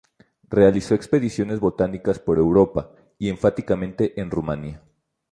Realizó expediciones botánicas por Europa, y enfáticamente en Rumania.